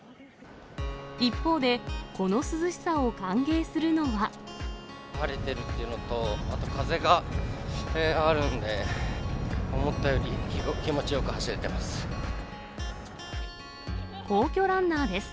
一方で、この涼しさを歓迎す晴れてるっていうのと、あと、風があるんで、思ったより気持ちよく走れています。